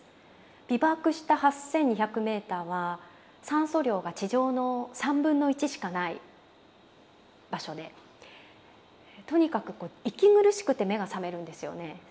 ビバークした８２００ｍは酸素量が地上の３分の１しかない場所でとにかく息苦しくて目が覚めるんですよね。